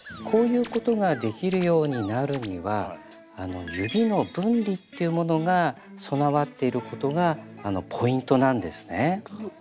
こういうことができるようになるには「指の分離」というものが備わっていることがポイントなんですね。